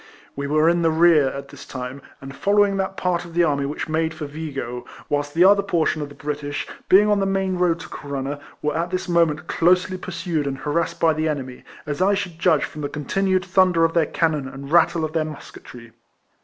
We were in the rear at this time, and follow RIFLEMAN HARRIS. 3 69 ing that part of the army which made for Vigo, whilst the other portion of the British, being on the main road to Corunna, were at tliis moment closely pursued and harassed hy the enemy, as I should judge from the continued thunder of their cannon and rattle of their musketry.